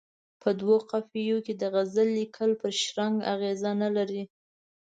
په دوو قافیو کې د غزل لیکل پر شرنګ اغېز نه لري.